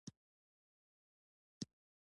آیا حواله سیستم د اقتصاد لپاره ښه دی؟